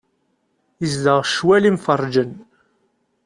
Izdeɣ ccwal imferrǧen.